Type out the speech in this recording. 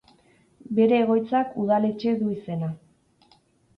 Bere egoitzak udaletxe du izena.